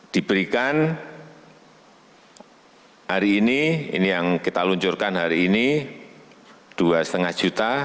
diberikan hari ini ini yang kita luncurkan hari ini rp dua lima juta